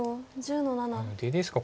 出ですか。